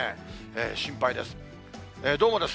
心配です。